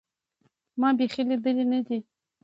ما بيخي ليدلى نه دى.